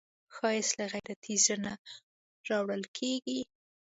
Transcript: ښایست له غیرتي زړه نه راولاړیږي